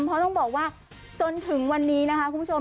เพราะต้องบอกว่าจนถึงวันนี้นะคะคุณผู้ชม